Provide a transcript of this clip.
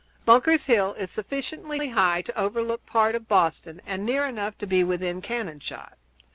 Bunker's Hill is sufficiently high to overlook any part of Boston and near enough to be within cannon shot.